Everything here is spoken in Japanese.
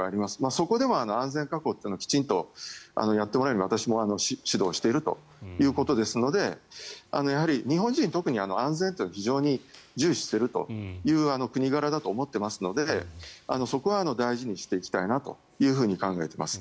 そこでも安全確保というのはきちんとやってもらえるように私も指導しているということですので日本人特に安全というのを非常に重視するという国柄だと思っていますのでそこは大事にしていきたいなと考えています。